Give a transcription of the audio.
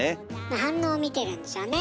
反応を見てるんでしょうね